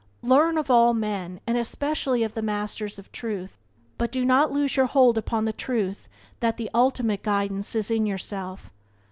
Learn of all men, and especially of the masters of Truth, but do not lose your hold upon the truth that the ultimate guidance is in yourself.